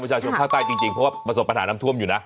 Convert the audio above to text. ชมภาคใต้จริงเพราะว่าประสบปัญหาน้ำท่วมอยู่นะ